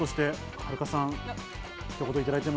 はるかさん。